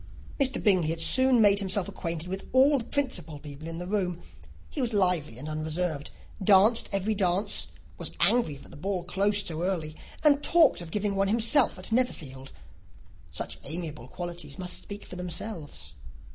Mr. Bingley had soon made himself acquainted with all the principal people in the room: he was lively and unreserved, danced every dance, was angry that the ball closed so early, and talked of giving one himself at Netherfield. Such amiable qualities must speak for themselves.